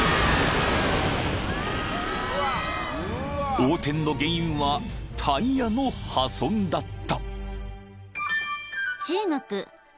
［横転の原因はタイヤの破損だった］